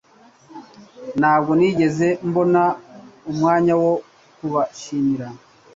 Ntabwo nigeze mbona umwanya wo kubashimira